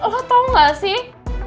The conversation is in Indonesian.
lo tau gak sih